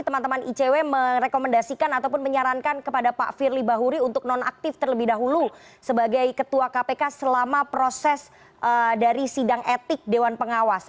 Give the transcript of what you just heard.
teman teman icw merekomendasikan ataupun menyarankan kepada pak firly bahuri untuk nonaktif terlebih dahulu sebagai ketua kpk selama proses dari sidang etik dewan pengawas